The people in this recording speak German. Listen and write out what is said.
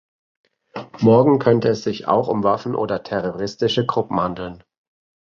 Morgen könnte es sich auch um Waffen oder terroristische Gruppen handeln.